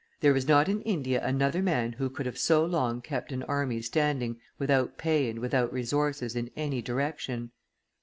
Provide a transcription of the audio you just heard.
There is not in India another man who could have so long kept an army standing without pay and without resources in any direction."